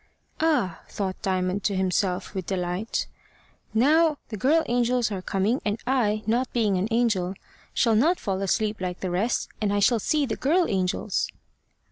"Ah!" thought Diamond to himself, with delight, "now the girl angels are coming, and I, not being an angel, shall not fall asleep like the rest, and I shall see the girl angels."